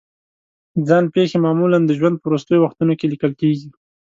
ځان پېښې معمولا د ژوند په وروستیو وختونو کې لیکل کېږي.